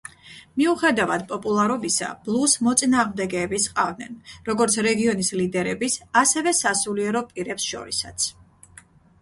მიუხედავად პოპულარობისა, ბლუზს მოწინააღმდეგეებიც ჰყავდნენ, როგორც რეგიონის ლიდერების, ასევე სასულიერო პირებს შორისაც.